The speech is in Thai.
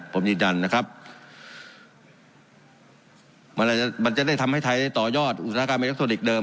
ผมยินดันนะครับมันจะมันจะได้ทำให้ไทยได้ต่อยอดอุตสาหการอินักโทรธิกส์เดิม